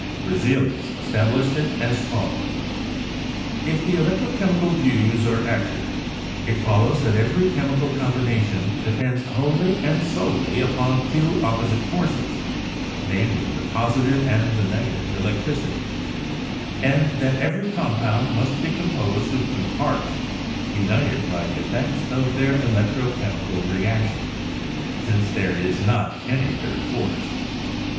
Berzelius estab lished it as follows : "If the electro chemical views are accurate, it follows that every chemical combination depends wholly and solely upon two opposite forces, namely, the positive and the negative electricities, and that every compound must be composed of two parts, united by the effects of their elec tro chemical reactions, since there is not any third force.